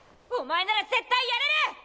おまえなら絶対やれる！